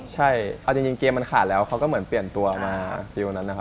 ใช่เอาจริงเกมมันขาดแล้วเขาก็เหมือนเปลี่ยนตัวมาเร็วนั้นนะครับ